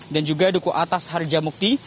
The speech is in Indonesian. juga duku atas harjamukti